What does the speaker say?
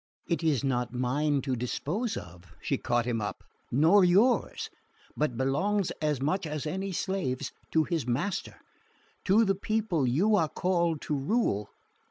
"It is not mine to dispose of," she caught him up, "nor yours; but belongs, as much as any slave's to his master, to the people you are called to rule.